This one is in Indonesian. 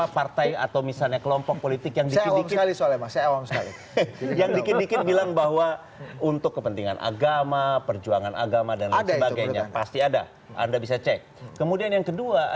pasti ada anda bisa cek